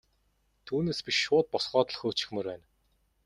Түүнээс биш шууд босгоод л хөөчихмөөр байна.